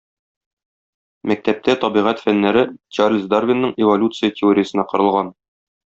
Мәктәптә табигать фәннәре Чарльз Дарвинның эволюция теориясенә корылган.